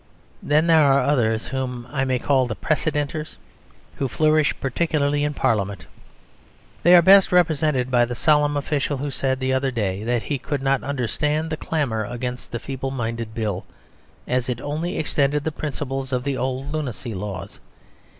Then there are others whom I may call the Precedenters; who flourish particularly in Parliament. They are best represented by the solemn official who said the other day that he could not understand the clamour against the Feeble Minded Bill, as it only extended the principles of the old Lunacy Laws.